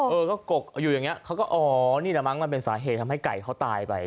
เออก็กกอยู่อย่างนี้เขาก็อ๋อนี่แหละมั้งมันเป็นสาเหตุทำให้ไก่เขาตายไป